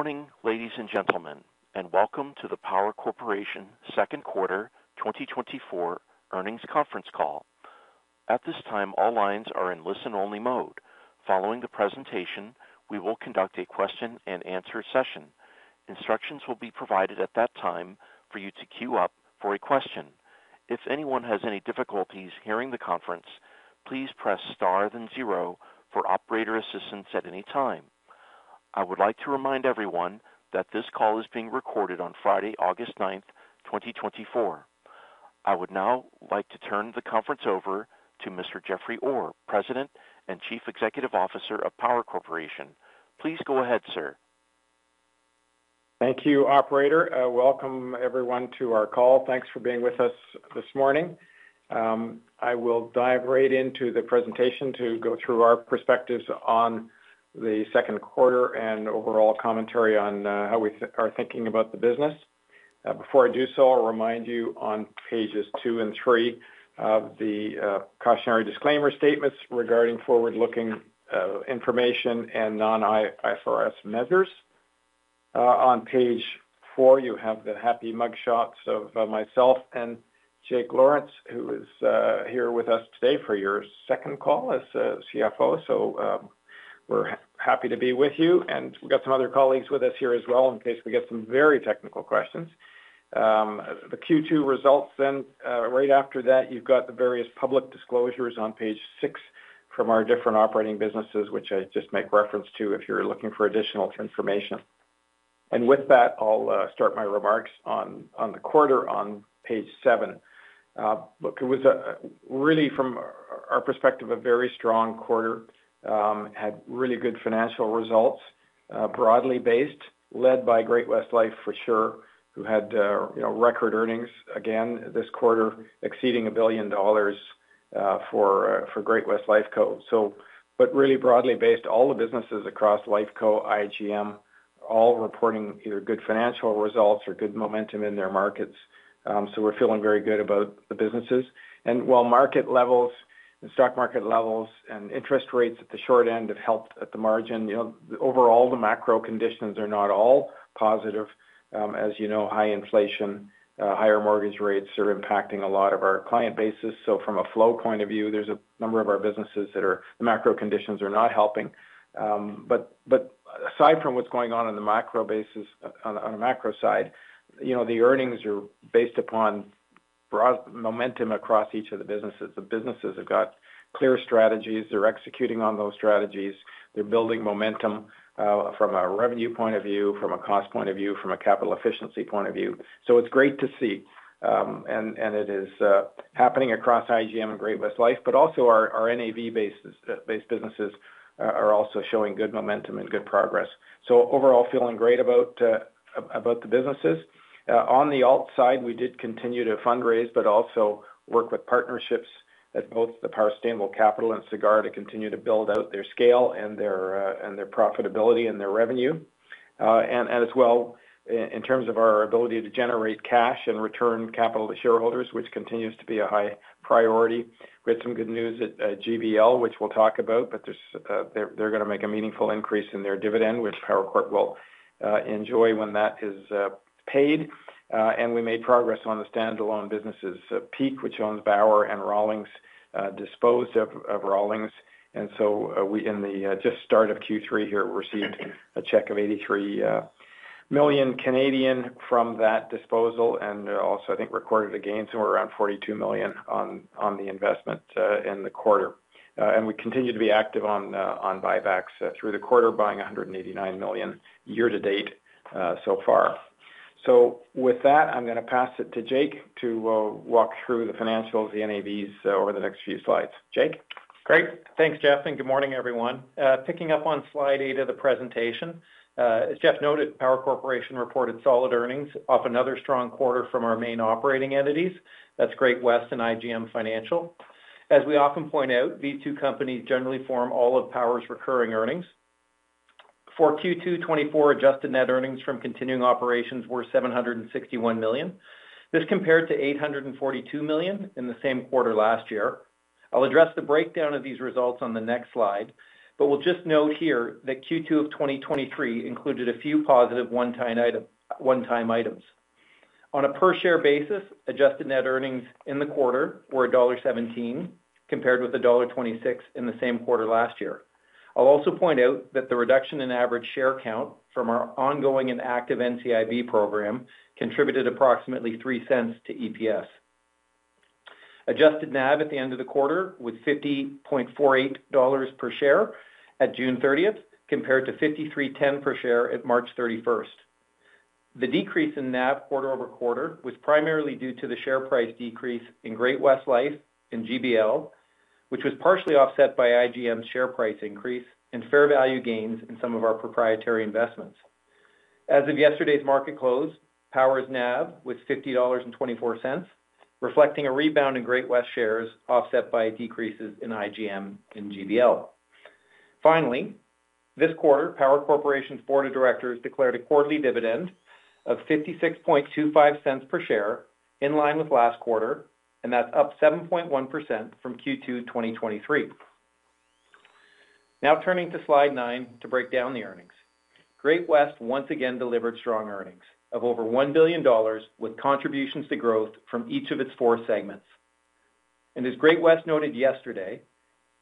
Good morning, ladies and gentlemen, and welcome to the Power Corporation Second Quarter 2024 earnings conference call. At this time, all lines are in listen-only mode. Following the presentation, we will conduct a question-and-answer session. Instructions will be provided at that time for you to queue up for a question. If anyone has any difficulties hearing the conference, please press Star then zero for operator assistance at any time. I would like to remind everyone that this call is being recorded on Friday, August 9, 2024. I would now like to turn the conference over to Mr. Jeffrey Orr, President and Chief Executive Officer of Power Corporation. Please go ahead, sir. Thank you, operator. Welcome everyone to our call. Thanks for being with us this morning. I will dive right into the presentation to go through our perspectives on the second quarter and overall commentary on how we are thinking about the business. Before I do so, I'll remind you on pages two and three of the cautionary disclaimer statements regarding forward-looking information and non-IFRS measures. On page four, you have the happy mugshots of myself and Jake Lawrence, who is here with us today for your second call as CFO. So, we're happy to be with you, and we've got some other colleagues with us here as well in case we get some very technical questions. The Q2 results, then, right after that, you've got the various public disclosures on page six from our different operating businesses, which I just make reference to if you're looking for additional information. With that, I'll start my remarks on the quarter on page seven. Look, it was really from our perspective, a very strong quarter. Had really good financial results, broadly based, led by Great-West Life for sure, who had you know, record earnings again this quarter, exceeding 1 billion dollars for Great-West Lifeco. So but really broadly based, all the businesses across Lifeco, IGM, all reporting either good financial results or good momentum in their markets. So we're feeling very good about the businesses. While market levels, the stock market levels and interest rates at the short end have helped at the margin, you know, overall, the macro conditions are not all positive. As you know, high inflation, higher mortgage rates are impacting a lot of our client bases. So from a flow point of view, there's a number of our businesses that are... The macro conditions are not helping. But aside from what's going on in the macro basis, on a macro side, you know, the earnings are based upon broad momentum across each of the businesses. The businesses have got clear strategies. They're executing on those strategies. They're building momentum, from a revenue point of view, from a cost point of view, from a capital efficiency point of view. So it's great to see it is happening across IGM and Great-West Lifeco, but also our NAV-based businesses also showing good momentum and good progress. So overall, feeling great about the businesses. On the alt side, we did continue to fundraise, but also work with partnerships at both the Power Sustainable Capital and Sagard to continue to build out their scale and their profitability and their revenue. As well, in terms of our ability to generate cash and return capital to shareholders, which continues to be a high priority. We had some good news at GBL, which we'll talk about, but they're going to make a meaningful increase in their dividend, which Power Corp will enjoy when that is paid. And we made progress on the standalone businesses, Peak, which owns Bauer and Rawlings, disposed of Rawlings. And so, we, in the just start of Q3 here, received a check of 83 million from that disposal, and also I think recorded a gain, somewhere around 42 million on the investment in the quarter. And we continue to be active on buybacks through the quarter, buying 189 million year to date, so far. So with that, I'm going to pass it to Jake to walk through the financials, the NAVs over the next few slides. Jake? Great! Thanks, Jeffrey, and good morning, everyone. Picking up on slide 8 of the presentation, as Jeff noted, Power Corporation reported solid earnings off another strong quarter from our main operating entities. That's Great-West and IGM Financial. As we often point out, these two companies generally form all of Power's recurring earnings. For Q2 2024, adjusted net earnings from continuing operations were 761 million. This compared to 842 million in the same quarter last year. I'll address the breakdown of these results on the next slide, but we'll just note here that Q2 of 2023 included a few positive one-time item, one-time items. On a per-share basis, adjusted net earnings in the quarter were dollar 1.17, compared with dollar 1.26 in the same quarter last year. I'll also point out that the reduction in average share count from our ongoing and active NCIB program contributed approximately 0.03 to EPS. Adjusted NAV at the end of the quarter with 50.48 dollars per share at June 30, compared to 53.10 per share at March 31. The decrease in NAV quarter-over-quarter was primarily due to the share price decrease in Great-West Lifeco and GBL, which was partially offset by IGM's share price increase and fair value gains in some of our proprietary investments. As of yesterday's market close, Power's NAV was 50.24, reflecting a rebound in Great-West Lifeco shares, offset by decreases in IGM and GBL. Finally, this quarter, Power Corporation's Board of Directors declared a quarterly dividend of 0.5625 per share, in line with last quarter, and that's up 7.1% from Q2 2023. Now turning to slide 9 to break down the earnings. Great-West once again delivered strong earnings of over 1 billion dollars, with contributions to growth from each of its four segments. As Great-West noted yesterday,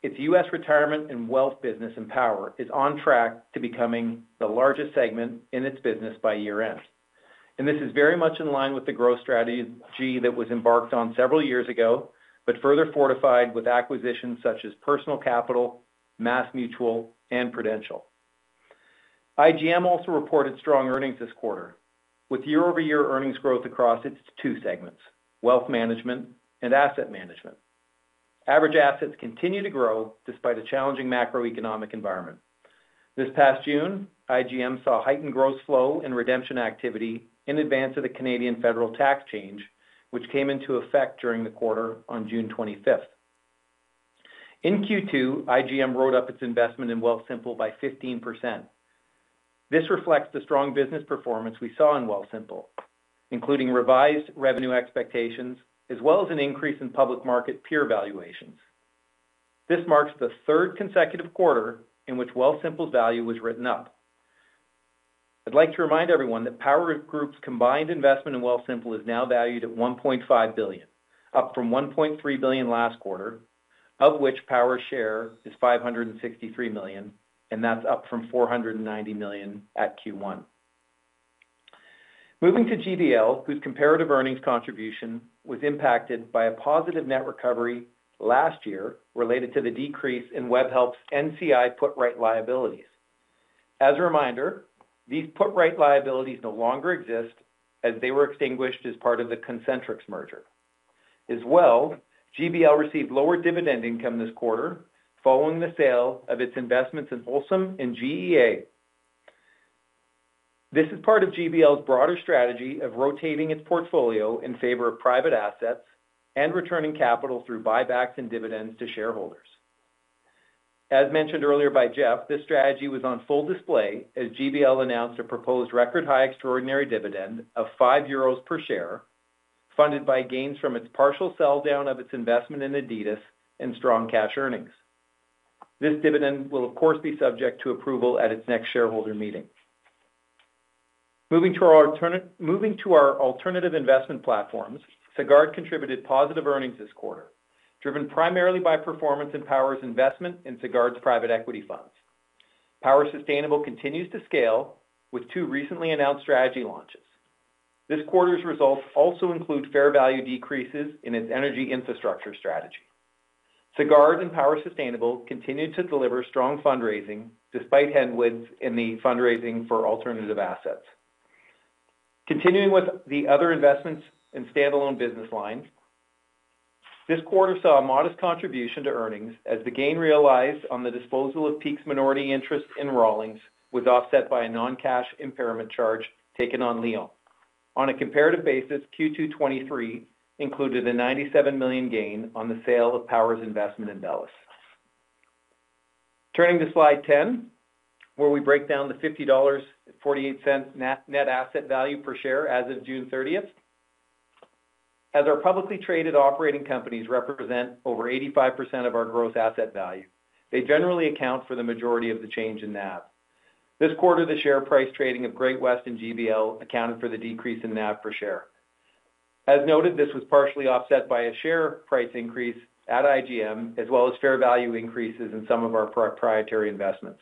its U.S. retirement and wealth business Empower is on track to becoming the largest segment in its business by year-end. This is very much in line with the growth strategy that was embarked on several years ago, but further fortified with acquisitions such as Personal Capital, MassMutual, and Prudential. IGM also reported strong earnings this quarter, with year-over-year earnings growth across its two segments: wealth management and asset management. Average assets continue to grow despite a challenging macroeconomic environment. This past June, IGM saw heightened gross flow and redemption activity in advance of the Canadian federal tax change, which came into effect during the quarter on June 25th. In Q2, IGM wrote up its investment in Wealthsimple by 15%. This reflects the strong business performance we saw in Wealthsimple, including revised revenue expectations, as well as an increase in public market peer valuations. This marks the third consecutive quarter in which Wealthsimple's value was written up. I'd like to remind everyone that Power Group's combined investment in Wealthsimple is now valued at 1.5 billion, up from 1.3 billion last quarter, of which Power's share is 563 million, and that's up from 490 million at Q1. Moving to GBL, whose comparative earnings contribution was impacted by a positive net recovery last year related to the decrease in Webhelp's NCI put right liabilities. As a reminder, these put right liabilities no longer exist as they were extinguished as part of the Concentrix merger. As well, GBL received lower dividend income this quarter following the sale of its investments in Holcim and GEA. This is part of GBL's broader strategy of rotating its portfolio in favor of private assets and returning capital through buybacks and dividends to shareholders. As mentioned earlier by Jeffrey, this strategy was on full display as GBL announced a proposed record high extraordinary dividend of 5 euros per share, funded by gains from its partial sell down of its investment in Adidas and strong cash earnings. This dividend will, of course, be subject to approval at its next shareholder meeting. Moving to our alternative investment platforms, Sagard contributed positive earnings this quarter, driven primarily by performance in Power's investment in Sagard's private equity funds. Power Sustainable continues to scale with two recently announced strategy launches. This quarter's results also include fair value decreases in its energy infrastructure strategy. Sagard and Power Sustainable continued to deliver strong fundraising despite headwinds in the fundraising for alternative assets. Continuing with the other investments in stand-alone business lines, this quarter saw a modest contribution to earnings as the gain realized on the disposal of Peak's minority interest in Rawlings was offset by a non-cash impairment charge taken on Lion. On a comparative basis, Q2 2023 included a 97 million gain on the sale of Power's investment in Bellus. Turning to slide 10, where we break down the 50.48 dollars net, net asset value per share as of June 30. As our publicly traded operating companies represent over 85% of our gross asset value, they generally account for the majority of the change in NAV. This quarter, the share price trading of Great-West and GBL accounted for the decrease in NAV per share. As noted, this was partially offset by a share price increase at IGM, as well as fair value increases in some of our proprietary investments.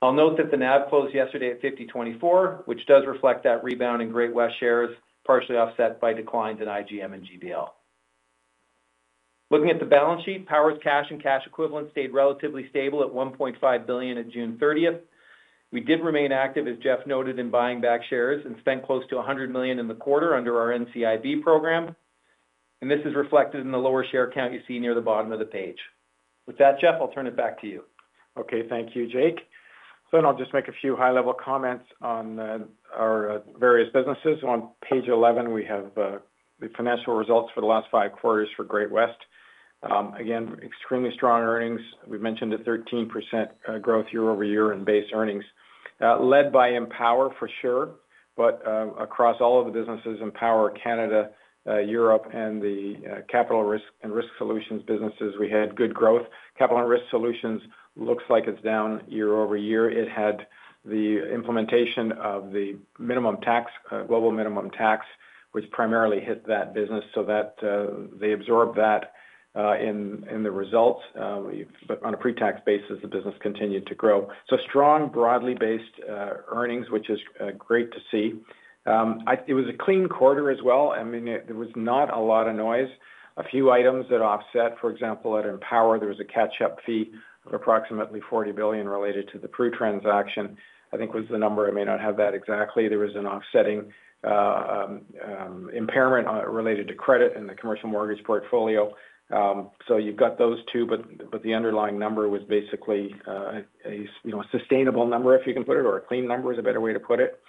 I'll note that the NAV closed yesterday at 52.04, which does reflect that rebound in Great-West shares, partially offset by declines in IGM and GBL. Looking at the balance sheet, Power's cash and cash equivalents stayed relatively stable at 1.5 billion on June 30. We did remain active, as Jeff noted, in buying back shares and spent close to 100 million in the quarter under our NCIB program, and this is reflected in the lower share count you see near the bottom of the page. With that, Jeffrey, I'll turn it back to you. Okay, thank you, Jake. So then I'll just make a few high-level comments on our various businesses. On page 11, we have the financial results for the last five quarters for Great-West Lifeco. Again, extremely strong earnings. We mentioned a 13% growth year-over-year in base earnings, led by Empower, for sure. But across all of the businesses, Empower, Canada, Europe, and the capital and risk solutions businesses, we had good growth. Capital and risk solutions looks like it's down year-over-year. It had the implementation of the global minimum tax, which primarily hit that business so that they absorbed that in the results. But on a pre-tax basis, the business continued to grow. So strong, broadly based earnings, which is great to see. It was a clean quarter as well. I mean, there was not a lot of noise. A few items that offset, for example, at Empower, there was a catch-up fee of approximately $40 billion related to the Pru transaction, I think was the number. I may not have that exactly. There was an offsetting impairment related to credit in the commercial mortgage portfolio. So you've got those two, but the underlying number was basically, you know, a sustainable number, if you can put it, or a clean number is a better way to put it.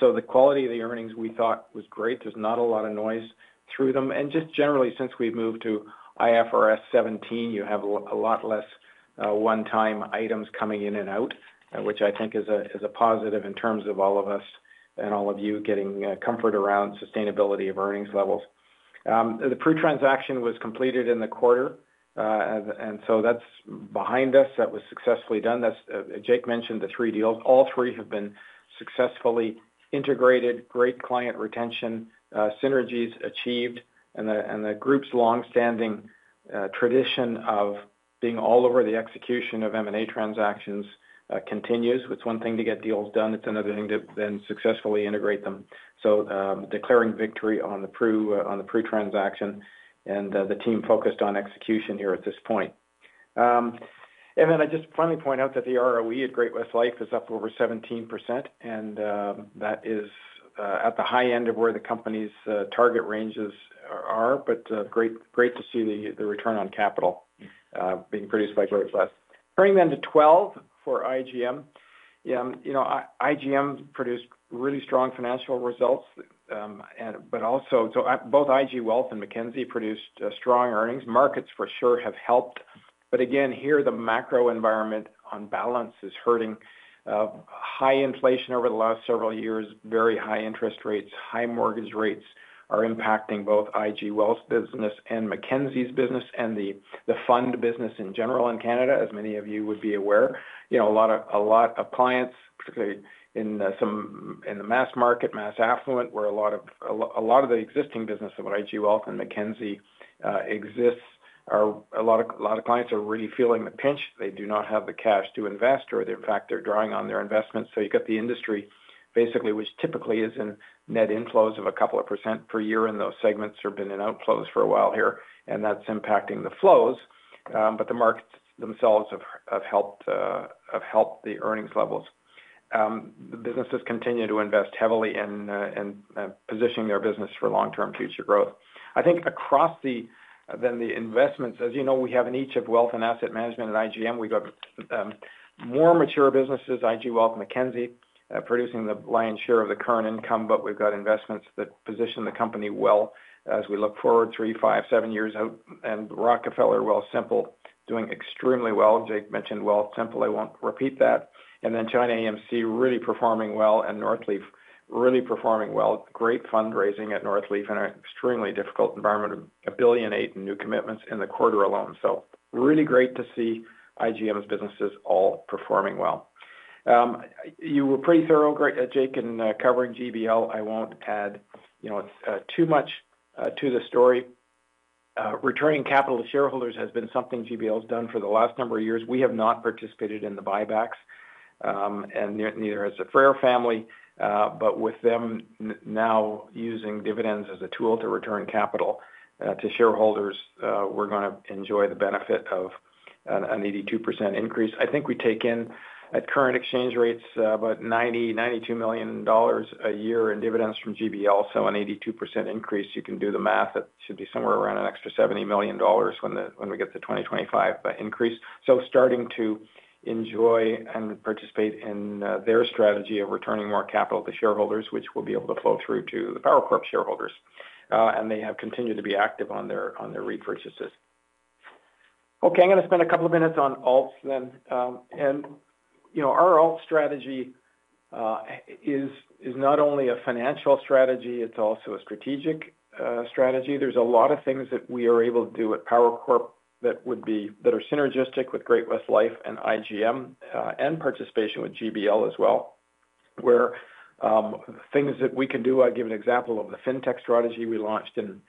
So the quality of the earnings we thought was great. There's not a lot of noise through them. Just generally, since we've moved to IFRS 17, you have a lot less one-time items coming in and out, which I think is a positive in terms of all of us and all of you getting comfort around sustainability of earnings levels. The Pru transaction was completed in the quarter, and so that's behind us. That was successfully done. That's, Jake mentioned the three deals. All three have been successfully integrated, great client retention, synergies achieved, and the group's long-standing tradition of being all over the execution of M&A transactions continues. It's one thing to get deals done, it's another thing to then successfully integrate them. So, declaring victory on the Pru, on the Pru transaction, and the team focused on execution here at this point. And then I just finally point out that the ROE at Great-West Life is up over 17%, and that is at the high end of where the company's target ranges are, but great, great to see the return on capital being produced by Great-West. Turning then to 12 for IGM. You know, IGM produced really strong financial results, and, but also, so at both IG Wealth and Mackenzie produced strong earnings. Markets, for sure, have helped, but again, here, the macro environment on balance is hurting. High inflation over the last several years, very high interest rates, high mortgage rates are impacting both IG Wealth's business and Mackenzie's business, and the fund business in general in Canada, as many of you would be aware. You know, a lot of clients, particularly in the mass market, mass affluent, where a lot of the existing business of IG Wealth and Mackenzie exists, a lot of clients are really feeling the pinch. They do not have the cash to invest, or in fact, they're drawing on their investments. So you got the industry, basically, which typically is in net inflows of a couple of % per year, and those segments have been in outflows for a while here, and that's impacting the flows. But the markets themselves have helped the earnings levels. The businesses continue to invest heavily in positioning their business for long-term future growth. I think across the investments, as you know, we have in each of wealth and asset management at IGM, we've got more mature businesses, IG Wealth, Mackenzie producing the lion's share of the current income, but we've got investments that position the company well as we look forward 3, 5, 7 years out, and Rockefeller, Wealthsimple doing extremely well. Jake mentioned Wealthsimple. I won't repeat that. And then ChinaAMC really performing well, and Northleaf really performing well. Great fundraising at Northleaf in an extremely difficult environment, 1.8 billion in new commitments in the quarter alone. So really great to see IGM's businesses all performing well. You were pretty thorough, Jake, in covering GBL. I won't add, you know, too much to the story. Returning capital to shareholders has been something GBL has done for the last number of years. We have not participated in the buybacks, and neither has the Frère family, but with them now using dividends as a tool to return capital to shareholders, we're gonna enjoy the benefit of an 82% increase. I think we take in, at current exchange rates, about $92 million a year in dividends from GBL, so an 82% increase. You can do the math. It should be somewhere around an extra $70 million when we get to 2025 by increase. So starting to enjoy and participate in their strategy of returning more capital to shareholders, which will be able to flow through to the Power Corp shareholders, and they have continued to be active on their repurchases. Okay, I'm going to spend a couple of minutes on alts then. You know, our alt strategy is not only a financial strategy, it's also a strategic strategy. There's a lot of things that we are able to do at Power Corp that are synergistic with Great-West Life and IGM, and participation with GBL as well, where things that we can do. I'll give an example of the fintech strategy we launched in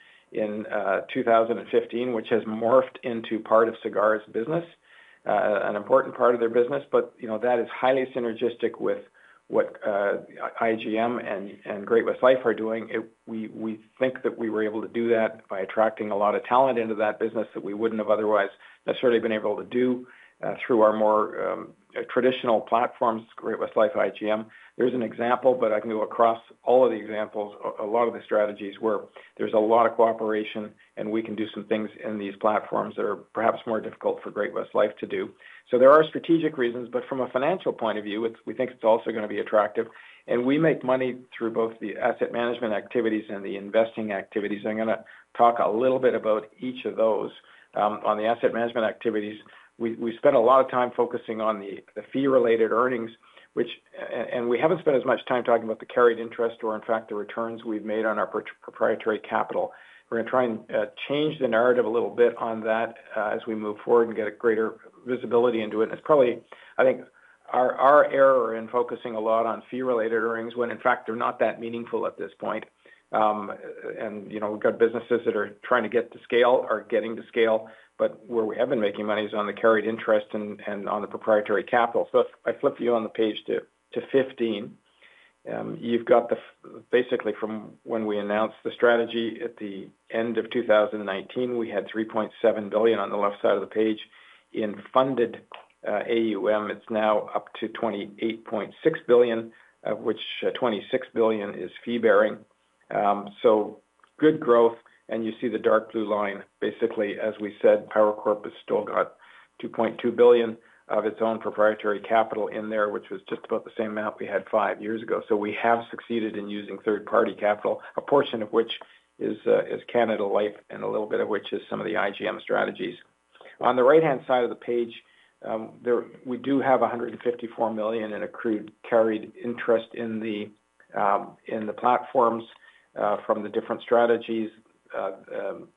2015, which has morphed into part of Sagard's business, an important part of their business. But, you know, that is highly synergistic with what IGM and Great-West Life are doing. We think that we were able to do that by attracting a lot of talent into that business that we wouldn't have otherwise necessarily been able to do through our more traditional platforms, Great-West Life, IGM. There's an example, but I can go across all of the examples, a lot of the strategies where there's a lot of cooperation, and we can do some things in these platforms that are perhaps more difficult for Great-West Life to do. So there are strategic reasons, but from a financial point of view, it's, we think it's also going to be attractive. And we make money through both the asset management activities and the investing activities. I'm gonna talk a little bit about each of those. On the asset management activities, we spent a lot of time focusing on the fee-related earnings, which. We haven't spent as much time talking about the carried interest or in fact, the returns we've made on our proprietary capital. We're gonna try and change the narrative a little bit on that, as we move forward and get a greater visibility into it. It's probably, I think, our error in focusing a lot on fee-related earnings, when in fact, they're not that meaningful at this point. You know, we've got businesses that are trying to get to scale, are getting to scale, but where we have been making money is on the carried interest and on the proprietary capital. So if I flip you on the page to 15, you've got the... Basically, from when we announced the strategy at the end of 2019, we had 3.7 billion on the left side of the page. In funded AUM, it's now up to 28.6 billion, which 26 billion is fee-bearing. So good growth, and you see the dark blue line. Basically, as we said, Power Corp has still got 2.2 billion of its own proprietary capital in there, which was just about the same amount we had five years ago. So we have succeeded in using third-party capital, a portion of which is Canada Life, and a little bit of which is some of the IGM strategies. On the right-hand side of the page, there, we do have 154 million in accrued carried interest in the platforms from the different strategies.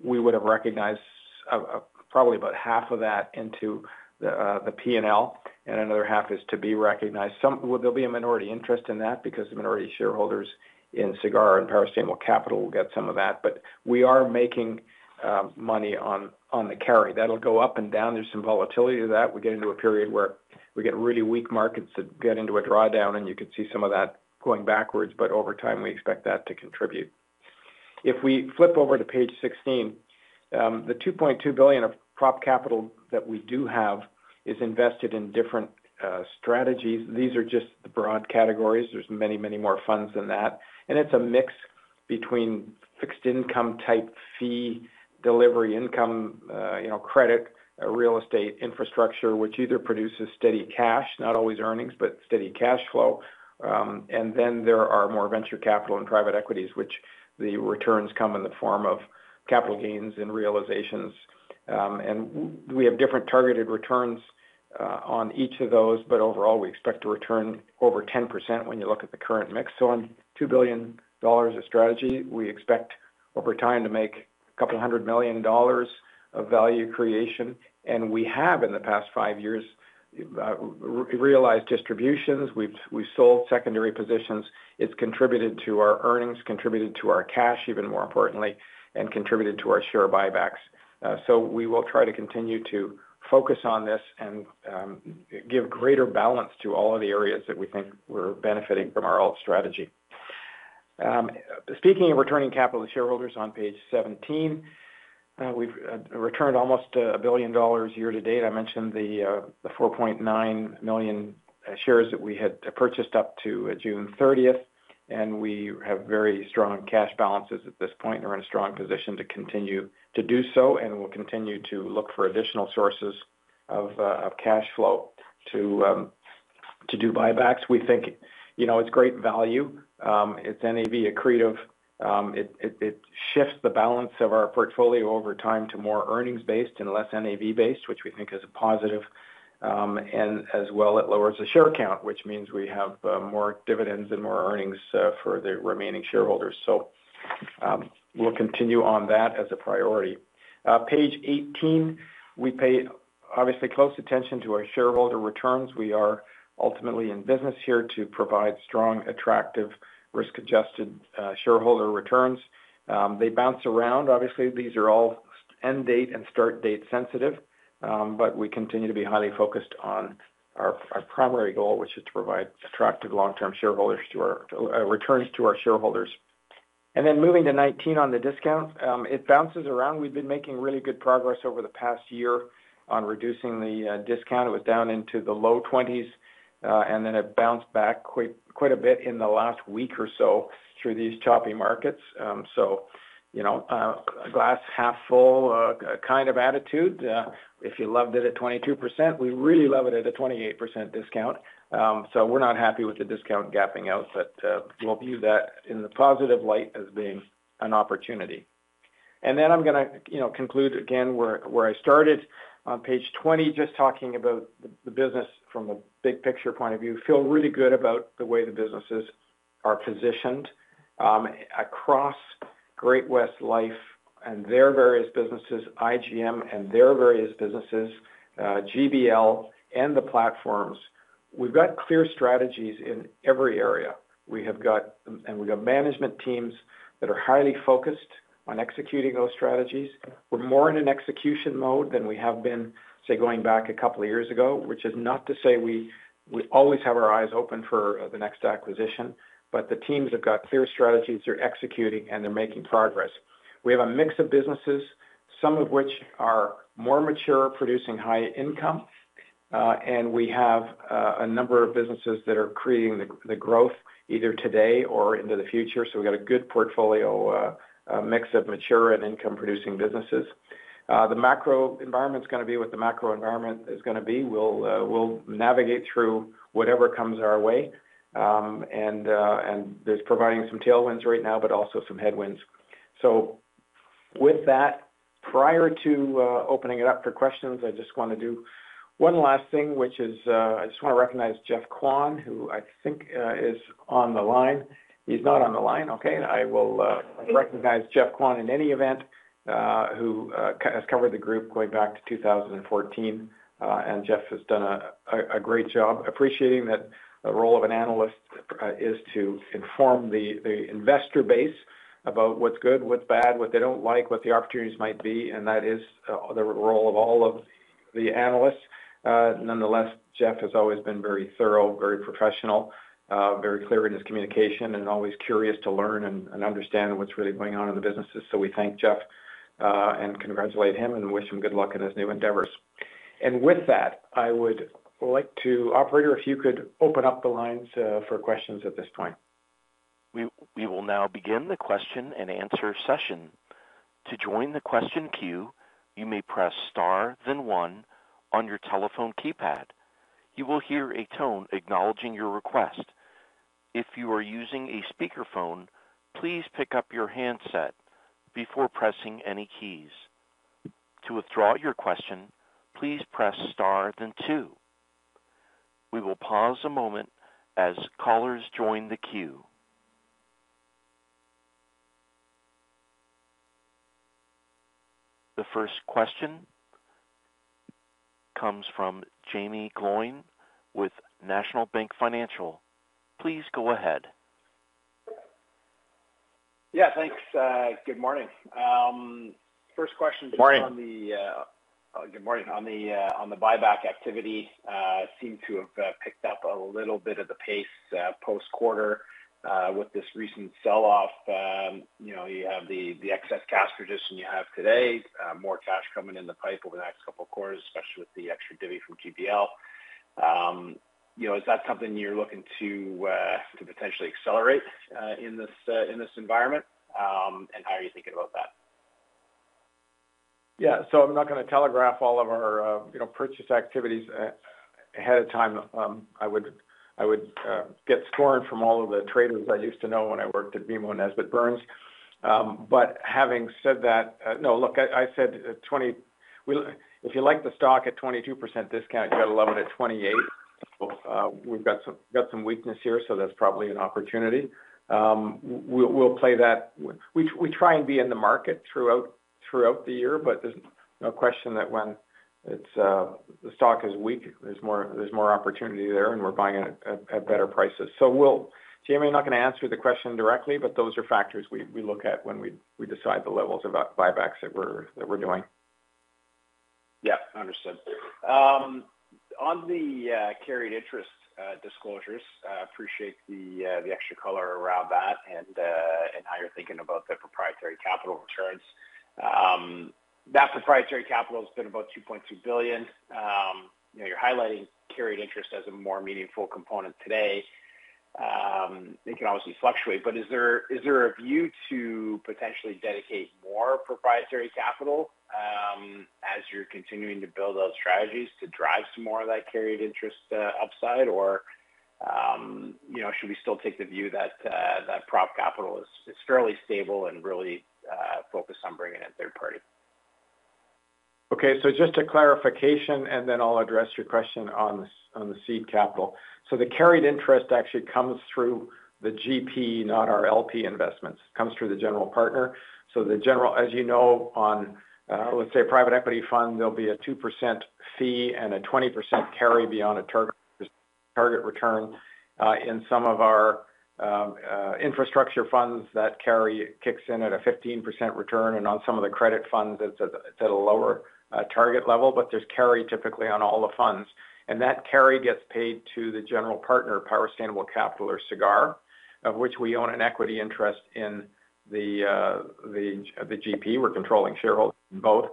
We would have recognized probably about half of that into the PNL, and another half is to be recognized. Well, there'll be a minority interest in that because the minority shareholders in Sagard and Power Sustainable Capital will get some of that. But we are making money on the carry. That'll go up and down. There's some volatility to that. We get into a period where we get really weak markets that get into a drawdown, and you can see some of that going backwards, but over time, we expect that to contribute. If we flip over to page 16, the 2.2 billion of prop capital that we do have is invested in different strategies. These are just the broad categories. There's many, many more funds than that. And it's a mix between fixed income, dividend income, you know, credit, real estate, infrastructure, which either produces steady cash, not always earnings, but steady cash flow. And then there are more venture capital and private equities, which the returns come in the form of capital gains and realizations. And we have different targeted returns on each of those, but overall, we expect to return over 10% when you look at the current mix. So on a $2 billion strategy, we expect over time to make $200 million of value creation. And we have, in the past 5 years, realized distributions. We've sold secondary positions. It's contributed to our earnings, contributed to our cash, even more importantly, and contributed to our share buybacks. So we will try to continue to focus on this and give greater balance to all of the areas that we think we're benefiting from our old strategy. Speaking of returning capital to shareholders on page 17, we've returned almost 1 billion dollars year to date. I mentioned the 4.9 million shares that we had purchased up to June 30, and we have very strong cash balances at this point, and are in a strong position to continue to do so, and we'll continue to look for additional sources of cash flow to do buybacks. We think, you know, it's great value. It shifts the balance of our portfolio over time to more earnings-based and less NAV-based, which we think is a positive. and as well, it lowers the share count, which means we have, more dividends and more earnings, for the remaining shareholders. So, we'll continue on that as a priority. page 18, we pay obviously, close attention to our shareholder returns. We are ultimately in business here to provide strong, attractive, risk-adjusted, shareholder returns. They bounce around. Obviously, these are all end date and start date sensitive, but we continue to be highly focused on our, our primary goal, which is to provide attractive long-term shareholders to our-- returns to our shareholders. And then moving to 19 on the discount, it bounces around. We've been making really good progress over the past year on reducing the, discount. It was down into the low 20s, and then it bounced back quite, quite a bit in the last week or so through these choppy markets. So you know, a glass half full, kind of attitude. If you loved it at 22%, we really love it at a 28% discount. So we're not happy with the discount gapping out, but, we'll view that in the positive light as being an opportunity. And then I'm gonna, you know, conclude again, where, where I started on page 20, just talking about the, the business from a big picture point of view. Feel really good about the way the businesses are positioned, across Great-West Lifeco and their various businesses, IGM and their various businesses, GBL and the platforms. We've got clear strategies in every area. We have got management teams that are highly focused on executing those strategies. We're more in an execution mode than we have been, say, going back a couple of years ago, which is not to say we always have our eyes open for the next acquisition, but the teams have got clear strategies, they're executing, and they're making progress. We have a mix of businesses, some of which are more mature, producing high income, and we have a number of businesses that are creating the growth either today or into the future. So we've got a good portfolio, a mix of mature and income-producing businesses. The macro environment is gonna be what the macro environment is gonna be. We'll navigate through whatever comes our way. And, and there's providing some tailwinds right now, but also some headwinds. So with that, prior to opening it up for questions, I just want to do one last thing, which is, I just want to recognize Jeff Kwan, who I think, is on the line. He's not on the line. Okay. I will recognize Jeff Kwan in any event, who has covered the group going back to 2014. And Jeff has done a great job appreciating that the role of an analyst is to inform the investor base about what's good, what's bad, what they don't like, what the opportunities might be, and that is the role of all of the analysts. Nonetheless, Jeff has always been very thorough, very professional, very clear in his communication, and always curious to learn and understand what's really going on in the business. So we thank Jeff and congratulate him, and wish him good luck in his new endeavors. And with that, I would like to... Operator, if you could open up the lines for questions at this point. We will now begin the question and answer session. To join the question queue, you may press star, then one on your telephone keypad. You will hear a tone acknowledging your request... If you are using a speakerphone, please pick up your handset before pressing any keys. To withdraw your question, please press star, then two. We will pause a moment as callers join the queue. The first question comes from Jamie Gloyn with National Bank Financial. Please go ahead. Yeah, thanks. Good morning. First question- Good morning. Good morning. On the buyback activity, it seemed to have picked up a little bit of the pace post-quarter with this recent sell-off. You know, you have the excess cash position you have today, more cash coming in the pipe over the next couple of quarters, especially with the extra divvy from GBL. You know, is that something you're looking to potentially accelerate in this environment? And how are you thinking about that? Yeah. So I'm not going to telegraph all of our, you know, purchase activities, ahead of time. I would, I would, get scorned from all of the traders I used to know when I worked at BMO Nesbitt Burns. But having said that, no, look, I, I said, twenty-- we, if you like the stock at 22% discount, you got to love it at 28. We've got some, got some weakness here, so that's probably an opportunity. We, we'll play that. We, we try and be in the market throughout, throughout the year, but there's no question that when it's, the stock is weak, there's more, there's more opportunity there, and we're buying it at, at better prices. So we'll... Jamie, I'm not going to answer the question directly, but those are factors we look at when we decide the levels of buybacks that we're doing. Yeah, understood. On the carried interest disclosures, I appreciate the extra color around that and how you're thinking about the proprietary capital returns. That proprietary capital has been about 2.2 billion. You know, you're highlighting carried interest as a more meaningful component today. It can obviously fluctuate, but is there a view to potentially dedicate more proprietary capital as you're continuing to build those strategies to drive some more of that carried interest upside? Or you know, should we still take the view that prop capital is fairly stable and really focused on bringing in third party? Okay, so just a clarification, and then I'll address your question on the seed capital. So the carried interest actually comes through the GP, not our LP investments. It comes through the general partner. So the general, as you know, on, let's say, a private equity fund, there'll be a 2% fee and a 20% carry beyond a target return. In some of our infrastructure funds, that carry kicks in at a 15% return, and on some of the credit funds, it's at a lower target level, but there's carry typically on all the funds. And that carry gets paid to the general partner, Power Sustainable Capital or Sagard, of which we own an equity interest in the GP. We're controlling shareholders in both.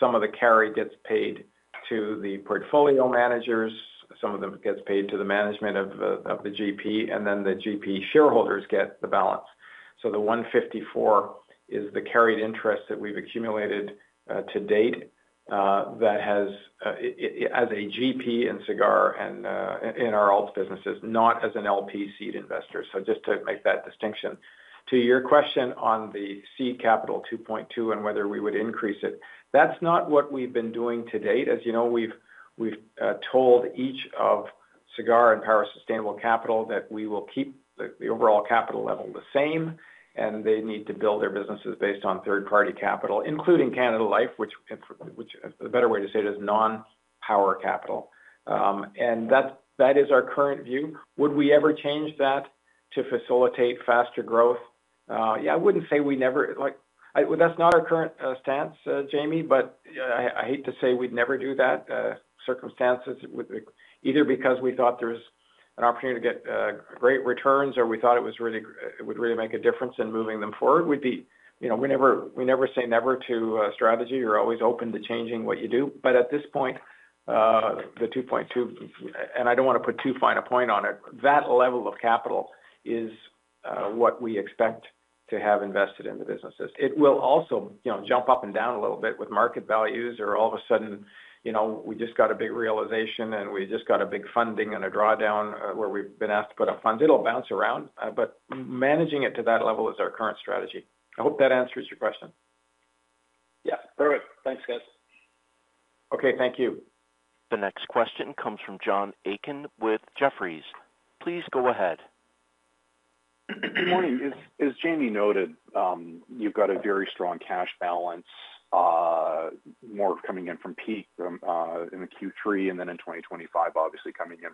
Some of the carry gets paid to the portfolio managers, some of them gets paid to the management of the GP, and then the GP shareholders get the balance. So the 154 is the carried interest that we've accumulated to date that has as a GP in Sagard and in our ALTS businesses, not as an LP seed investor. So just to make that distinction. To your question on the seed capital, 2.2 billion, and whether we would increase it, that's not what we've been doing to date. As you know, we've told each of Sagard and Power Sustainable Capital that we will keep the overall capital level the same, and they need to build their businesses based on third-party capital, including Canada Life, which a better way to say it is non-power capital. And that, that is our current view. Would we ever change that to facilitate faster growth? Yeah, I wouldn't say we never, like, I... Well, that's not our current stance, Jamie, but I, I hate to say we'd never do that. Circumstances would, either because we thought there's an opportunity to get great returns or we thought it was really, it would really make a difference in moving them forward, would be, you know, we never, we never say never to strategy. You're always open to changing what you do. But at this point, the 2.2 billion, and I don't want to put too fine a point on it, that level of capital is what we expect to have invested in the businesses. It will also, you know, jump up and down a little bit with market values or all of a sudden, you know, we just got a big realization, and we just got a big funding and a drawdown where we've been asked to put up funds. It'll bounce around, but managing it to that level is our current strategy. I hope that answers your question. Yeah, perfect. Thanks, guys. Okay, thank you. The next question comes from John Aiken with Jefferies. Please go ahead. Good morning. As Jamie noted, you've got a very strong cash balance, more coming in from Peak in the Q3, and then in 2025, obviously coming in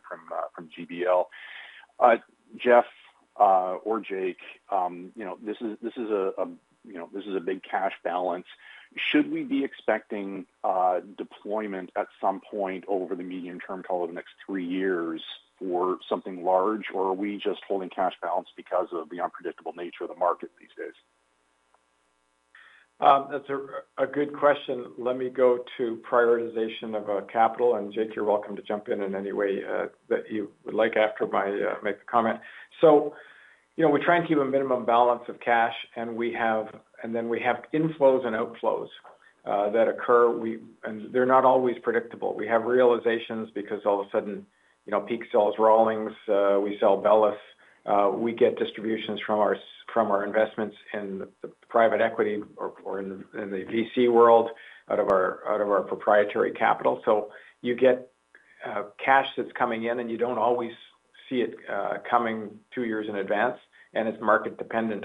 from GBL. Jeff, or Jake, you know, this is a big cash balance. Should we be expecting deployment at some point over the medium term, call it the next three years, for something large, or are we just holding cash balance because of the unpredictable nature of the market these days? That's a good question. Let me go to prioritization of capital, and Jake, you're welcome to jump in in any way that you would like after I make a comment. So you know, we try and keep a minimum balance of cash, and we have, and then we have inflows and outflows that occur. We and they're not always predictable. We have realizations because all of a sudden, you know, Peak sells Rawlings, we sell Bellus. We get distributions from our investments in the private equity or in the VC world, out of our proprietary capital. So you get cash that's coming in, and you don't always see it coming two years in advance, and it's market dependent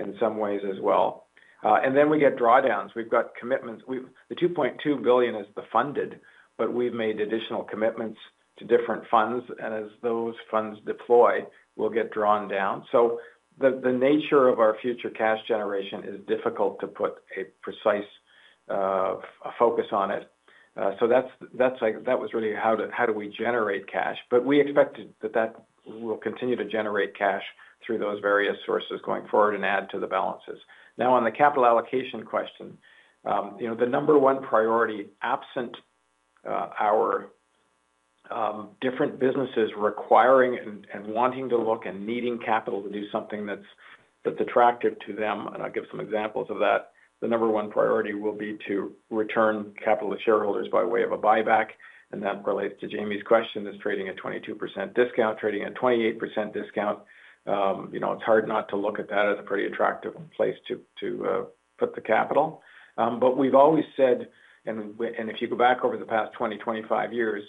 in some ways as well. And then we get drawdowns. We've got commitments. We've the 2.2 billion is the funded, but we've made additional commitments to different funds, and as those funds deploy, we'll get drawn down. So the nature of our future cash generation is difficult to put a precise focus on it. So that's that was really how do we generate cash? But we expected that will continue to generate cash through those various sources going forward and add to the balances. Now, on the capital allocation question, you know, the number one priority, absent our different businesses requiring and wanting to look and needing capital to do something that's attractive to them, and I'll give some examples of that. The number one priority will be to return capital to shareholders by way of a buyback, and that relates to Jamie's question, is trading at 22% discount, trading at 28% discount. You know, it's hard not to look at that as a pretty attractive place to put the capital. But we've always said, and if you go back over the past 20-25 years,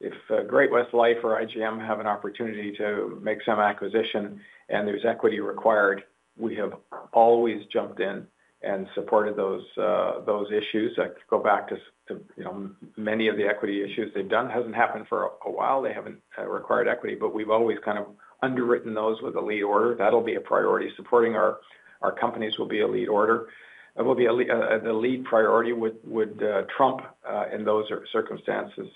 if Great-West Life or IGM have an opportunity to make some acquisition and there's equity required, we have always jumped in and supported those issues. I could go back to, you know, many of the equity issues they've done. Hasn't happened for a while. They haven't required equity, but we've always kind of underwritten those with a lead order. That'll be a priority. Supporting our companies will be a lead order... The lead priority would trump in those circumstances,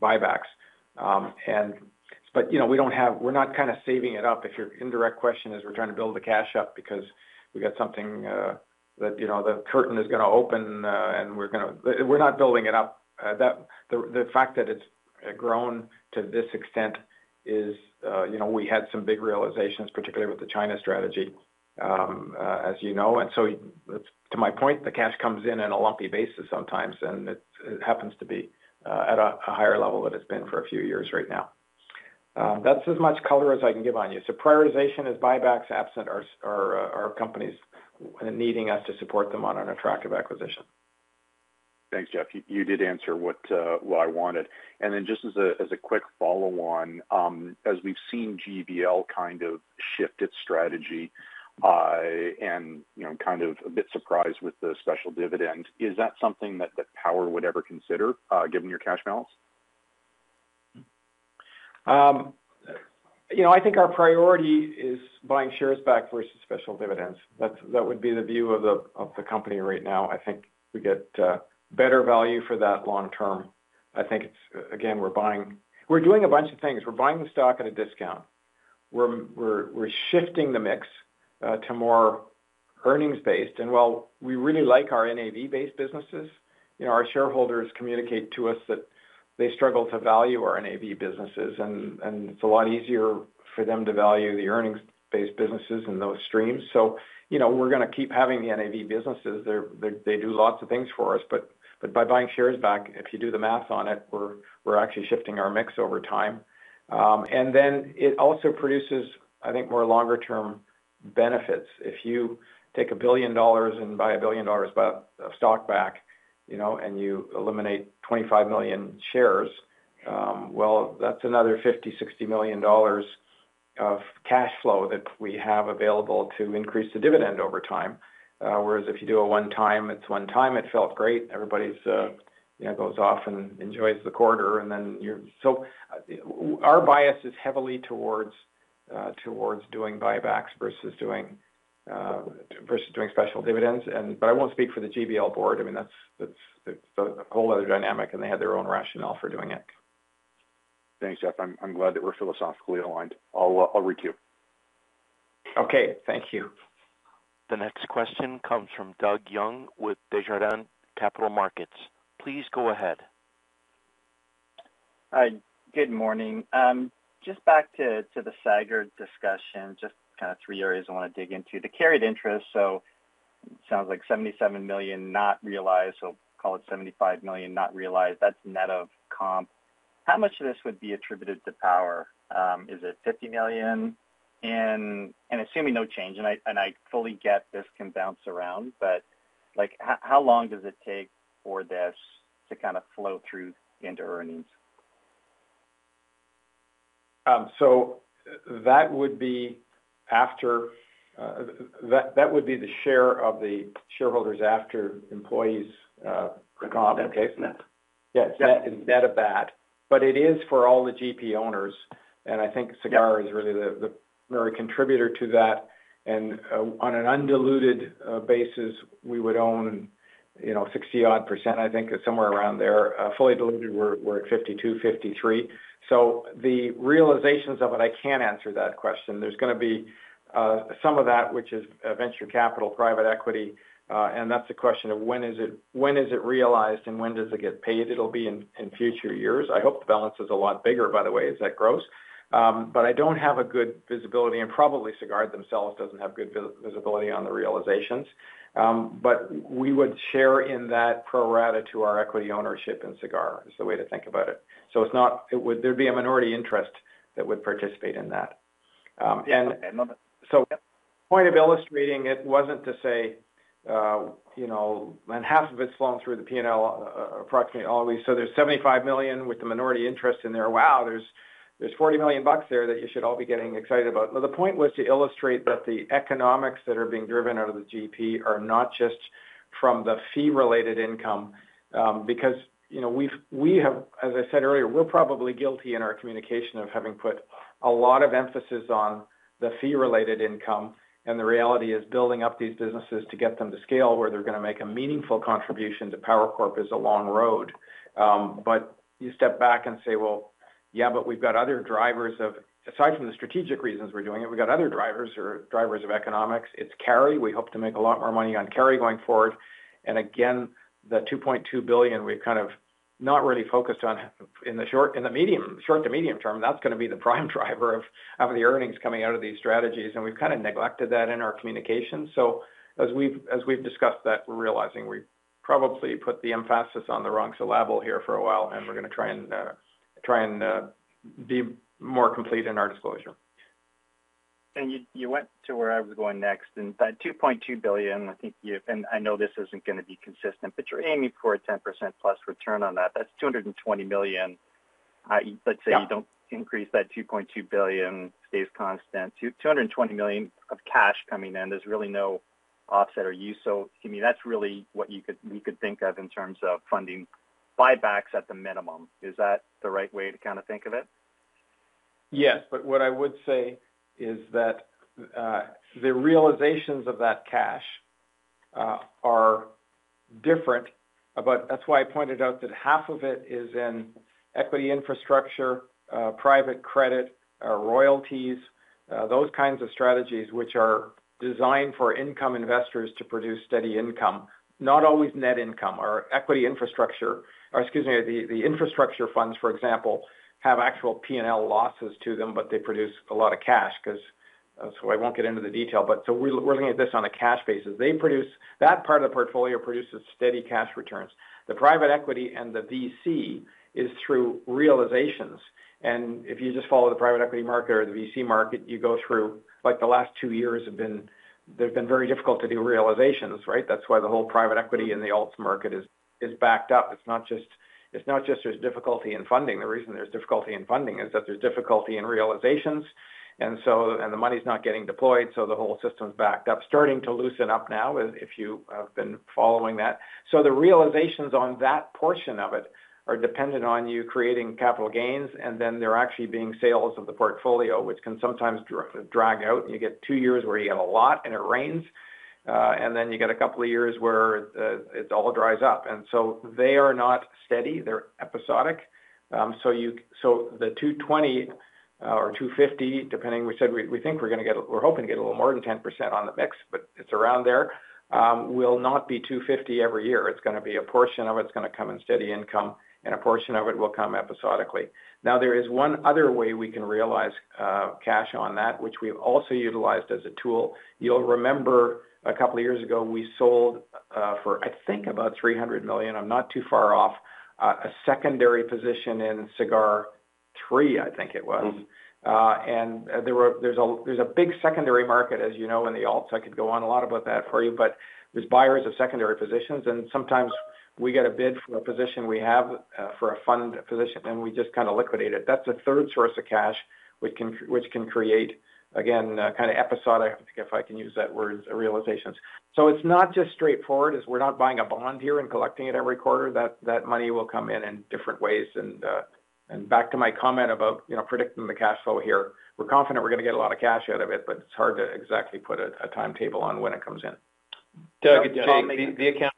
buybacks. But you know, we don't have, we're not kind of saving it up. If your indirect question is we're trying to build the cash up because we got something that you know, the curtain is gonna open and we're gonna... We're not building it up. The fact that it's grown to this extent is you know, we had some big realizations, particularly with the China strategy, as you know. And so to my point, the cash comes in on a lumpy basis sometimes, and it happens to be at a higher level than it's been for a few years right now. That's as much color as I can give on you. So prioritization is buybacks, absent our companies needing us to support them on an attractive acquisition. Thanks, Jeffrey. You, you did answer what, what I wanted. And then just as a, as a quick follow-on, as we've seen GBL kind of shift its strategy, and, you know, I'm kind of a bit surprised with the special dividend, is that something that, that Power would ever consider, given your cash balance? You know, I think our priority is buying shares back versus special dividends. That's, that would be the view of the, of the company right now. I think we get better value for that long term. I think it's, again, we're buying... We're doing a bunch of things. We're buying the stock at a discount. We're, we're, we're shifting the mix to more earnings-based. And while we really like our NAV-based businesses, you know, our shareholders communicate to us that they struggle to value our NAV businesses, and, and it's a lot easier for them to value the earnings-based businesses in those streams. So, you know, we're gonna keep having the NAV businesses. They're, they, they do lots of things for us. But, but by buying shares back, if you do the math on it, we're, we're actually shifting our mix over time. And then it also produces, I think, more longer-term benefits. If you take 1 billion dollars and buy 1 billion dollars buy of stock back, you know, and you eliminate 25 million shares, well, that's another 50 million-60 million dollars of cash flow that we have available to increase the dividend over time. Whereas if you do it one time, it's one time, it felt great. Everybody's, you know, goes off and enjoys the quarter, and then so our bias is heavily towards, towards doing buybacks versus doing, versus doing special dividends. But I won't speak for the GBL board. I mean, that's, that's, a whole other dynamic, and they had their own rationale for doing it. Thanks, Jeff. I'm glad that we're philosophically aligned. I'll reach you. Okay. Thank you. The next question comes from Doug Young with Desjardins Capital Markets. Please go ahead. Hi, good morning. Just back to, to the Sagard discussion, just kind of three areas I want to dig into. The carried interest, so it sounds like 77 million not realized, so call it 75 million, not realized. That's net of comp. How much of this would be attributed to Power? Is it 50 million? And, and assuming no change, and I, and I fully get this can bounce around, but, like, how, how long does it take for this to kind of flow through into earnings? So that would be after. That would be the share of the shareholders after employees comp. Okay. Net. Yes, net of that. But it is for all the GP owners, and I think Sagard- Yep... is really the contributor to that. And on an undiluted basis, we would own, you know, 60-odd%. I think it's somewhere around there. Fully diluted, we're at 52-53. So the realizations of it, I can't answer that question. There's gonna be some of that which is venture capital, private equity, and that's the question of when is it realized and when does it get paid? It'll be in future years. I hope the balance is a lot bigger, by the way, is that gross?... But I don't have a good visibility, and probably Sagard themselves doesn't have good visibility on the realizations. But we would share in that pro rata to our equity ownership in Sagard, is the way to think about it. So there'd be a minority interest that would participate in that. And so the point of illustrating it wasn't to say, you know, and half of it's flowing through the P&L, approximately always. So there's 75 million with the minority interest in there. Wow, there's 40 million bucks there that you should all be getting excited about. But the point was to illustrate that the economics that are being driven out of the GP are not just from the fee-related income, because, you know, we have, as I said earlier, we're probably guilty in our communication of having put a lot of emphasis on the fee-related income, and the reality is building up these businesses to get them to scale, where they're going to make a meaningful contribution to PowerCorp, is a long road. But you step back and say, well, yeah, but we've got other drivers of aside from the strategic reasons we're doing it, we've got other drivers or drivers of economics. It's carry. We hope to make a lot more money on carry going forward. And again, the 2.2 billion, we've kind of not really focused on in the short to medium term, that's going to be the prime driver of the earnings coming out of these strategies, and we've kind of neglected that in our communication. So as we've discussed that, we're realizing we probably put the emphasis on the wrong syllable here for a while, and we're going to try and try and be more complete in our disclosure. You, you went to where I was going next, and that 2.2 billion, I think you, and I know this isn't going to be consistent, but you're aiming for a 10%+ return on that. That's 220 million. I- Yeah. Let's say you don't increase that 2.2 billion [that] stays constant, 220 million of cash coming in, there's really no offset or use. So, I mean, that's really what you could, you could think of in terms of funding buybacks at the minimum. Is that the right way to kind of think of it? Yes, but what I would say is that, the realizations of that cash, are different. But that's why I pointed out that half of it is in equity infrastructure, private credit, royalties, those kinds of strategies which are designed for income investors to produce steady income, not always net income or equity infrastructure. Or excuse me, the infrastructure funds, for example, have actual P&L losses to them, but they produce a lot of cash because... So I won't get into the detail, but so we're looking at this on a cash basis. They produce. That part of the portfolio produces steady cash returns. The private equity and the VC is through realizations, and if you just follow the private equity market or the VC market, you go through, like, the last two years have been. They've been very difficult to do realizations, right? That's why the whole private equity in the alts market is, is backed up. It's not just, it's not just there's difficulty in funding. The reason there's difficulty in funding is that there's difficulty in realizations, and so, and the money's not getting deployed, so the whole system's backed up. Starting to loosen up now, if you have been following that. So the realizations on that portion of it are dependent on you creating capital gains, and then they're actually being sales of the portfolio, which can sometimes drag out, and you get two years where you get a lot and it rains, and then you get a couple of years where it all dries up. And so they are not steady, they're episodic. So the 220 or 250, depending, we said, we think we're going to get-- we're hoping to get a little more than 10% on the mix, but it's around there, will not be 250 every year. It's going to be a portion of it, it's going to come in steady income, and a portion of it will come episodically. Now, there is one other way we can realize cash on that, which we've also utilized as a tool. You'll remember a couple of years ago, we sold for, I think, about 300 million, I'm not too far off, a secondary position in Sagard 3, I think it was. Mm-hmm. There's a big secondary market, as you know, in the alts. I could go on a lot about that for you, but there's buyers of secondary positions, and sometimes we get a bid for a position we have, for a fund position, and we just kind of liquidate it. That's a third source of cash, which can create, again, kind of episodic, if I can use that word, realizations. So it's not just straightforward, is we're not buying a bond here and collecting it every quarter. That money will come in in different ways, and back to my comment about, you know, predicting the cash flow here. We're confident we're going to get a lot of cash out of it, but it's hard to exactly put a timetable on when it comes in. Doug, it's Jake. The account.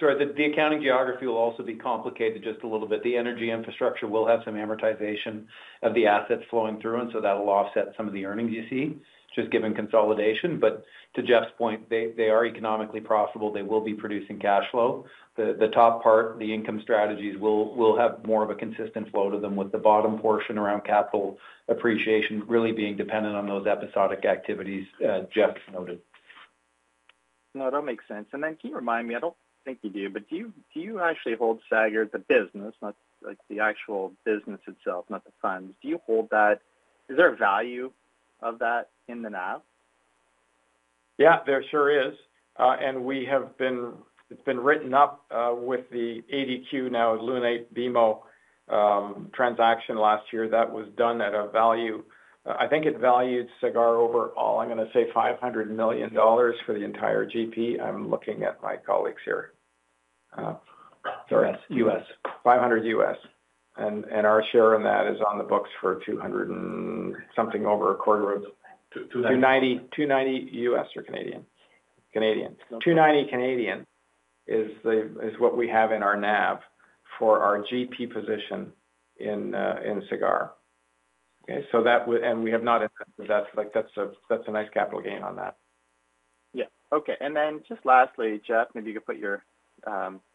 Sorry, the accounting geography will also be complicated just a little bit. The energy infrastructure will have some amortization of the assets flowing through, and so that will offset some of the earnings you see, just given consolidation. But to Jeff's point, they are economically profitable. They will be producing cash flow. The top part, the income strategies, will have more of a consistent flow to them, with the bottom portion around capital appreciation really being dependent on those episodic activities Jeffrey noted. Now, that makes sense. Then can you remind me, I don't think you do, but do you, do you actually hold Sagard, the business, not, like, the actual business itself, not the funds? Do you hold that? Is there a value of that in the NAV? Yeah, there sure is. And it's been written up with the ADQ, now, Lunate BMO transaction last year. That was done at a value. I think it valued Sagard overall. I'm going to say $500 million for the entire GP. I'm looking at my colleagues here. Sorry, US. $500 US. And our share in that is on the books for $200 and something over a quarter of- 290. 290. CAD 290 U.S. or Canadian? Canadian. Okay. 290 is what we have in our NAV for our GP position in Sagard. Okay, so that would and we have not. That's, like, that's a nice capital gain on that.... Yeah. Okay. And then just lastly, Jeff, maybe you could put your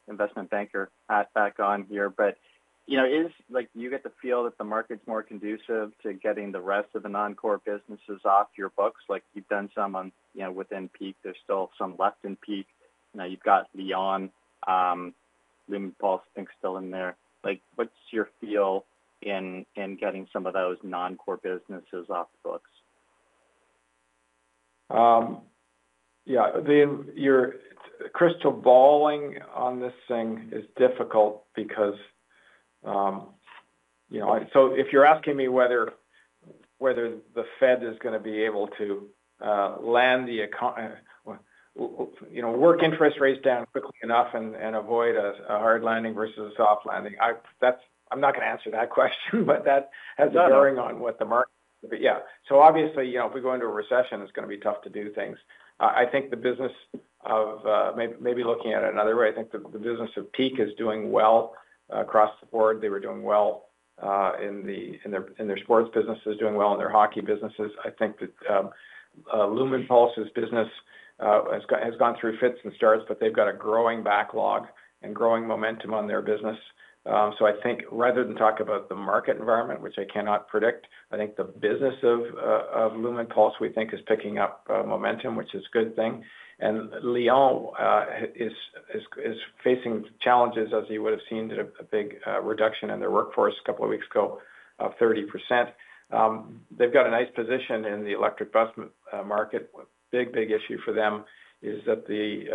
investment banker hat back on here. But, you know, like, do you get the feel that the market's more conducive to getting the rest of the non-core businesses off your books? Like, you've done some on, you know, within Peak, there's still some left in Peak. Now you've got Lion, Lumenpulse, I think, still in there. Like, what's your feel in getting some of those non-core businesses off the books? Yeah, your crystal balling on this thing is difficult because, you know. So if you're asking me whether the Fed is gonna be able to work interest rates down quickly enough and avoid a hard landing versus a soft landing, I. That's. I'm not gonna answer that question, but that has bearing on what the market. But yeah. So obviously, you know, if we go into a recession, it's gonna be tough to do things. I think the business of maybe looking at it another way, I think the business of Peak is doing well across the board. They were doing well in their sports businesses, doing well in their hockey businesses. I think that Lumenpulse's business has gone through fits and starts, but they've got a growing backlog and growing momentum on their business. So I think rather than talk about the market environment, which I cannot predict, I think the business of Lumenpulse, we think, is picking up momentum, which is a good thing. And Lion is facing challenges, as you would have seen a big reduction in their workforce a couple of weeks ago, of 30%. They've got a nice position in the electric bus market. Big, big issue for them is that the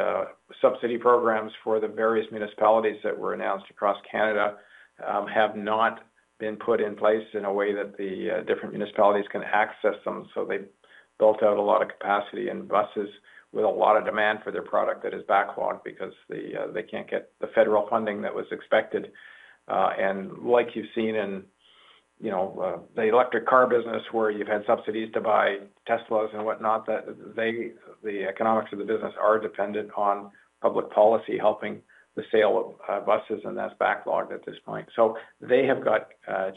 subsidy programs for the various municipalities that were announced across Canada have not been put in place in a way that the different municipalities can access them. So they built out a lot of capacity and buses with a lot of demand for their product that is backlogged because they can't get the federal funding that was expected. And like you've seen in, you know, the electric car business, where you've had subsidies to buy Teslas and whatnot, that they—the economics of the business are dependent on public policy helping the sale of buses, and that's backlogged at this point. So they have got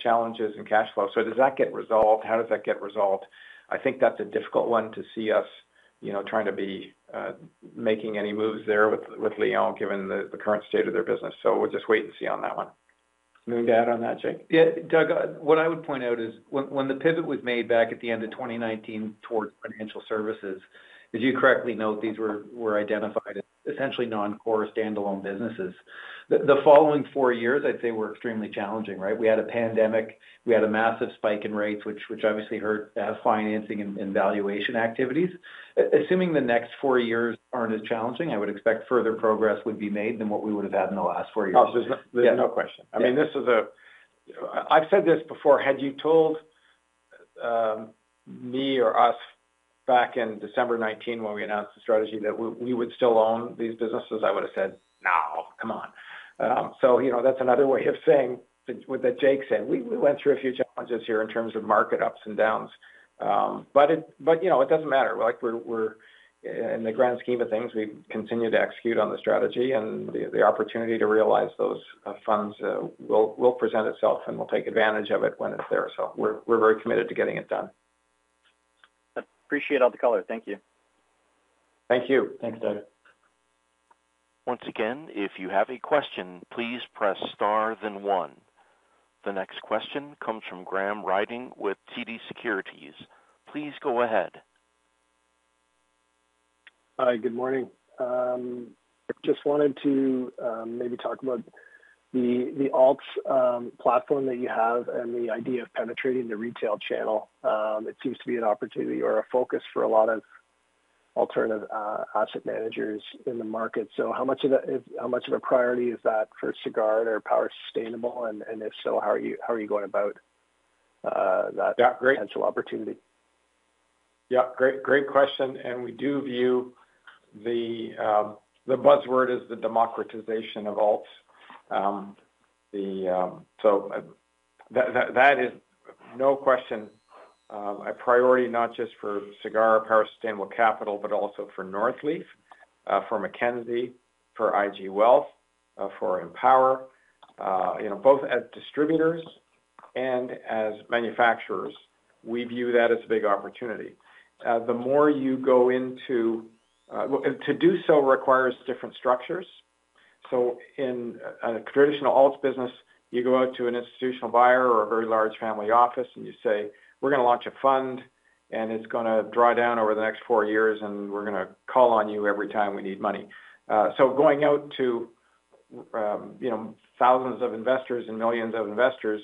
challenges in cash flow. So does that get resolved? How does that get resolved? I think that's a difficult one to see us, you know, trying to be making any moves there with Lion, given the current state of their business. So we'll just wait and see on that one. Anything to add on that, Jake? Yeah, Doug, what I would point out is when the pivot was made back at the end of 2019 towards financial services, as you correctly note, these were identified as essentially non-core standalone businesses. The following four years, I'd say, were extremely challenging, right? We had a pandemic. We had a massive spike in rates, which obviously hurt financing and valuation activities. Assuming the next four years aren't as challenging, I would expect further progress would be made than what we would have had in the last four years. Oh, there's no— Yeah. There's no question. Yeah. I mean, this is. I've said this before: Had you told me or us back in December 2019, when we announced the strategy, that we would still own these businesses, I would have said, "No, come on." So, you know, that's another way of saying what that Jake said. We went through a few challenges here in terms of market ups and downs. But, you know, it doesn't matter. Like, we're in the grand scheme of things, we continue to execute on the strategy and the opportunity to realize those funds will present itself, and we'll take advantage of it when it's there. So we're very committed to getting it done. Appreciate all the color. Thank you. Thank you. Thanks, Doug. Once again, if you have a question, please press Star, then one. The next question comes from Graham Ryding with TD Securities. Please go ahead. Hi, good morning. Just wanted to maybe talk about the alts platform that you have and the idea of penetrating the retail channel. It seems to be an opportunity or a focus for a lot of alternative asset managers in the market. So how much of that is—how much of a priority is that for Sagard and our Power Sustainable? And if so, how are you going about that- Yeah, great- -potential opportunity? Yeah, great, great question, and we do view the buzzword is the democratization of alts. So that, that, that is no question a priority, not just for Sagard, Power Sustainable Capital, but also for Northleaf, for Mackenzie, for IG Wealth, for Empower. You know, both as distributors and as manufacturers, we view that as a big opportunity. The more you go into, to do so requires different structures. So in a traditional alts business, you go out to an institutional buyer or a very large family office, and you say: We're gonna launch a fund, and it's gonna draw down over the next four years, and we're gonna call on you every time we need money. So going out to, you know, thousands of investors and millions of investors,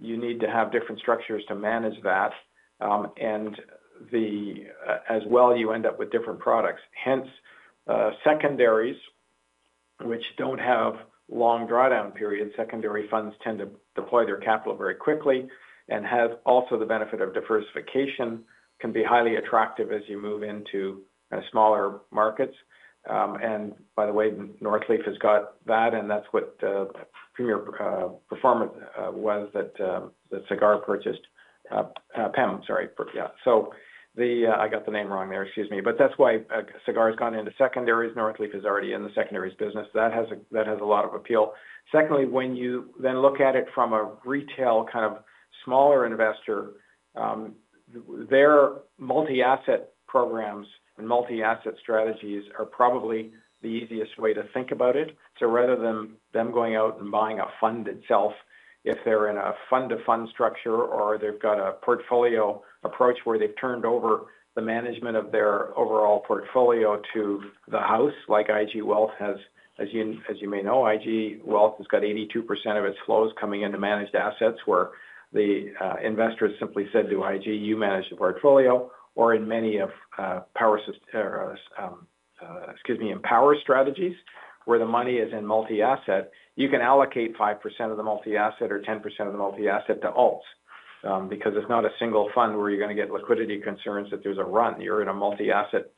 you need to have different structures to manage that. And as well, you end up with different products. Hence, secondaries, which don't have long drawdown periods. Secondary funds tend to deploy their capital very quickly and have also the benefit of diversification, can be highly attractive as you move into smaller markets. And by the way, Northleaf has got that, and that's what Performance was, that Sagard purchased, PEM, sorry. Yeah. So I got the name wrong there, excuse me. But that's why Sagard has gone into secondaries. Northleaf is already in the secondaries business. That has a lot of appeal. Secondly, when you then look at it from a retail, kind of, smaller investor, perspective. Their multi-asset programs and multi-asset strategies are probably the easiest way to think about it. So rather than them going out and buying a fund itself, if they're in a fund-to-fund structure, or they've got a portfolio approach where they've turned over the management of their overall portfolio to the house, like IG Wealth has. As you may know, IG Wealth has got 82% of its flows coming into managed assets, where the investors simply said to IG, "You manage the portfolio," or in many of, excuse me, Empower Strategies, where the money is in multi-asset, you can allocate 5% of the multi-asset or 10% of the multi-asset to alts. Because it's not a single fund where you're going to get liquidity concerns that there's a run. You're in a multi-asset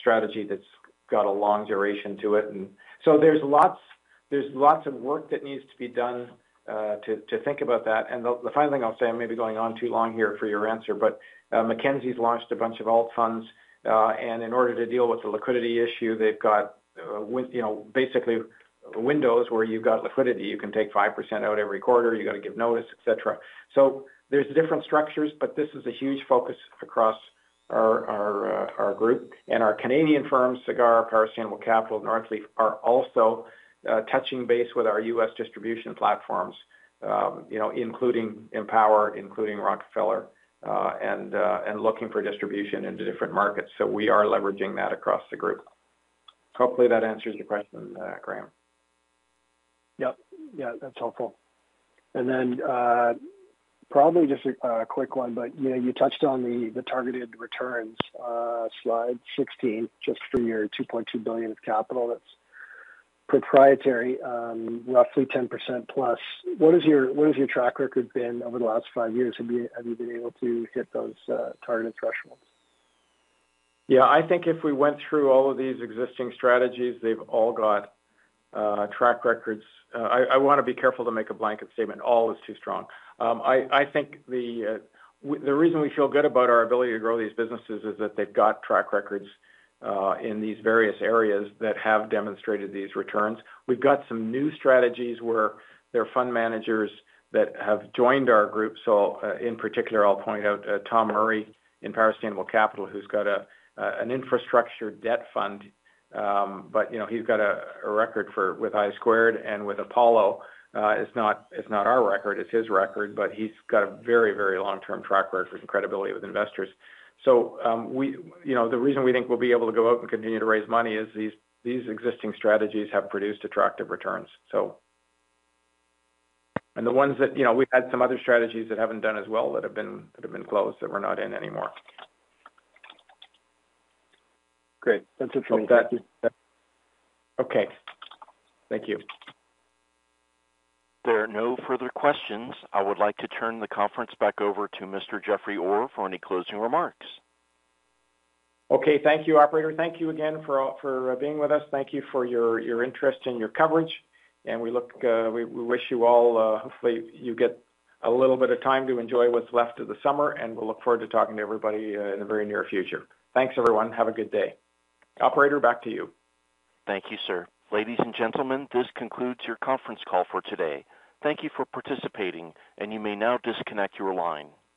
strategy that's got a long duration to it. And so there's lots, there's lots of work that needs to be done to think about that. And the final thing I'll say, I may be going on too long here for your answer, but Mackenzie's launched a bunch of alt funds, and in order to deal with the liquidity issue, they've got windows, you know, basically windows where you've got liquidity. You can take 5% out every quarter, you've got to give notice, et cetera. So there's different structures, but this is a huge focus across our group. Our Canadian firms, Sagard, Power Sustainable Capital, and Northleaf, are also touching base with our U.S. distribution platforms, you know, including Empower, including Rockefeller, and, and looking for distribution into different markets. So we are leveraging that across the group. Hopefully, that answers your question, Graham. Yep. Yeah, that's helpful. And then, probably just a quick one, but, you know, you touched on the targeted returns, slide 16, just for your 2.2 billion of capital that's proprietary, roughly 10%+. What is your, what has your track record been over the last five years? Have you, have you been able to hit those targeted thresholds? Yeah, I think if we went through all of these existing strategies, they've all got track records. I want to be careful to make a blanket statement. All is too strong. I think the reason we feel good about our ability to grow these businesses is that they've got track records in these various areas that have demonstrated these returns. We've got some new strategies where they're fund managers that have joined our group. So, in particular, I'll point out Tom Murray in Power Sustainable Capital, who's got an infrastructure debt fund. But, you know, he's got a record with iSquared and with Apollo. It's not our record, it's his record, but he's got a very, very long-term track record and credibility with investors. So, we... You know, the reason we think we'll be able to go out and continue to raise money is these existing strategies have produced attractive returns, so. And the ones that, you know, we've had some other strategies that haven't done as well, that have been closed, that we're not in anymore. Great. That's interesting. Thank you. Okay. Thank you. There are no further questions. I would like to turn the conference back over to Mr. Jeffrey Orr for any closing remarks. Okay, thank you, operator. Thank you again for being with us. Thank you for your interest and your coverage, and we wish you all hopefully you get a little bit of time to enjoy what's left of the summer, and we'll look forward to talking to everybody in the very near future. Thanks, everyone. Have a good day. Operator, back to you. Thank you, sir. Ladies and gentlemen, this concludes your conference call for today. Thank you for participating, and you may now disconnect your line.